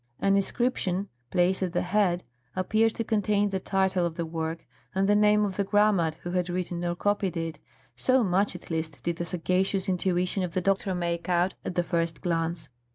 An inscription placed at the head appeared to contain the title of the work, and the name of the grammat who had written or copied it, so much, at least, did the sagacious intuition of the doctor make out at the first glance.